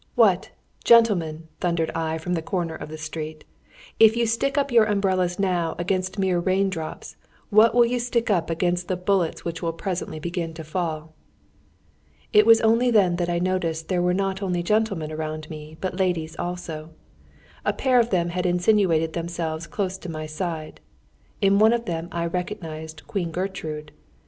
"What! gentlemen," thundered I from the corner of the street, "if you stick up your umbrellas now against mere rain drops, what will you stick up against the bullets which will presently begin to fall?" It was only then that I noticed that there were not only gentlemen around me but ladies also. A pair of them had insinuated themselves close to my side. In one of them I recognised "Queen Gertrude."